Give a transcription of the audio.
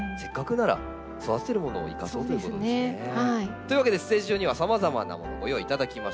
というわけでステージ上にはさまざまなものご用意いただきました。